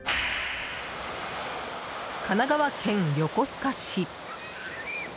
神奈川県横須賀市。